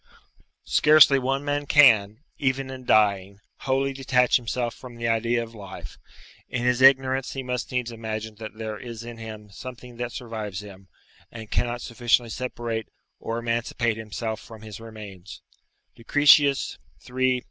["Scarcely one man can, even in dying, wholly detach himself from the idea of life; in his ignorance he must needs imagine that there is in him something that survives him, and cannot sufficiently separate or emancipate himself from his remains" Lucretius, iii.